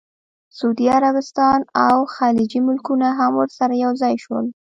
سعودي عربستان او خلیجي ملکونه هم ورسره یوځای شول.